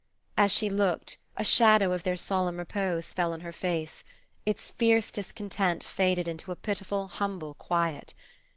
As she looked, a shadow of their solemn repose fell on her face; its fierce discontent faded into a pitiful, humble quiet.